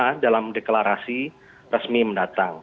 bersama dalam deklarasi resmi mendatang